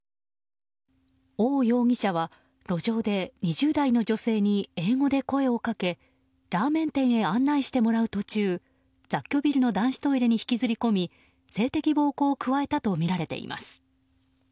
オウ容疑者は路上で２０代の女性に英語で声をかけラーメン店へ案内してもらう途中雑居ビルの男子トイレに引きずり込み性的暴行を加えたとみられています。